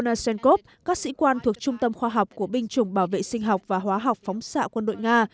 nasenkov các sĩ quan thuộc trung tâm khoa học của binh chủng bảo vệ sinh học và hóa học phóng xạ quân đội nga